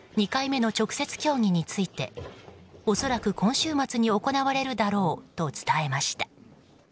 ２回目の直接協議について恐らく今週末に行われるだろうと伝えました。